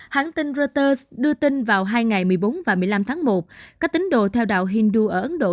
hãng tin reuters đưa tin vào hai ngày một mươi bốn và một mươi năm tháng một các tín đồ theo đạo hindu ở ấn độ